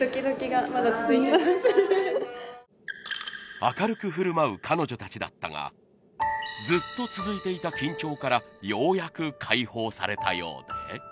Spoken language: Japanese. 明るく振る舞う彼女たちだったがずっと続いていた緊張からようやく解放されたようで。